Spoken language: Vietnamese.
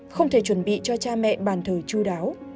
không thể chuẩn bị cho cha mẹ bàn thờ chú đáo